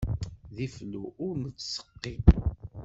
D iflu ur nettseqqi.